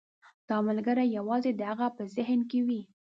دا ملګری یوازې د هغه په ذهن کې وي.